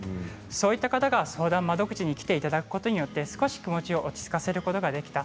そういった方が相談窓口に来ていただくことによって少し気持ちを落ち着かせることができた